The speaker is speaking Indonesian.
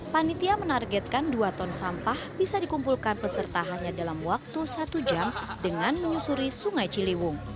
panitia menargetkan dua ton sampah bisa dikumpulkan peserta hanya dalam waktu satu jam dengan menyusuri sungai ciliwung